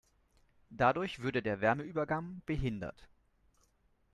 Dadurch würde der Wärmeübergang behindert.